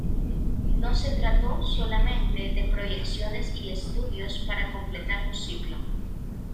No se trató solamente de proyecciones y estudios para completar un ciclo.